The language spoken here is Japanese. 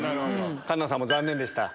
環奈さんも残念でした。